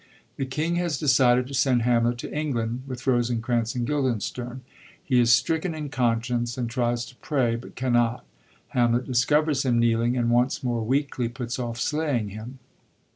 The king has decided to send Hamlet to England with Rosencrantz and Guildenstem ; he is stricken in conscience, and tries to pray, but cannot ; Hamlet discovers him kneeling, and once more weakly puts off slaying him.